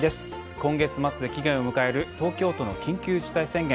今月末で期限を迎える東京都の緊急事態宣言。